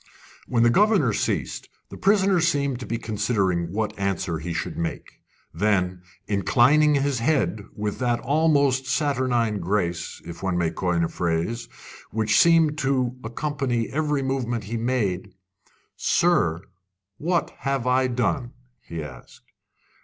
When the governor ceased, the prisoner seemed to be considering what answer he should make. Then, inclining his head with that almost saturnine grace, if one may coin a phrase, which seemed to accompany every movement he made: "Sir, what have I done?" he asked.